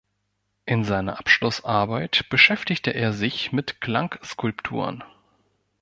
In seiner Abschlussarbeit beschäftigte er sich mit Klangskulpturen.